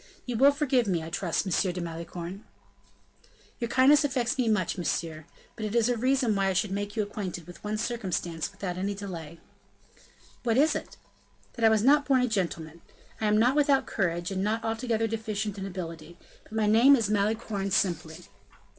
You will forgive me, I trust, M. de Malicorne." "Your kindness affects me much, monsieur: but it is a reason why I should make you acquainted with one circumstance without any delay." "What is it?" "That I was not born a gentleman. I am not without courage, and not altogether deficient in ability; but my name is Malicorne simply."